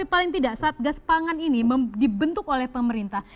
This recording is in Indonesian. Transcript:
paling tidak satgas pangan ini dibentuk oleh pemerintah